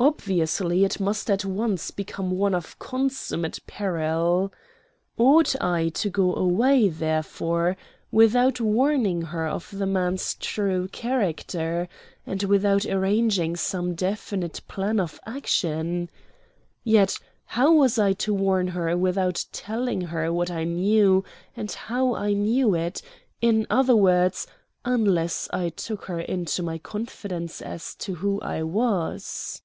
Obviously it must at once become one of consummate peril. Ought I to go away, therefore, without warning her of the man's true character, and without arranging some definite plan of action? Yet how was I to warn her without telling her what I knew and how I knew it in other words, unless I took her into my confidence as to who I was?